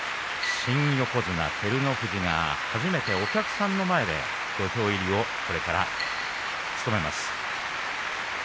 新横綱照ノ富士が初めてお客さんの前で土俵入りを務めます。